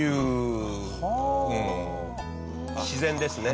自然ですね。